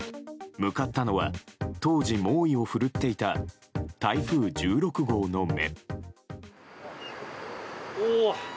向かったのは、当時猛威を振るっていた台風１６号の目。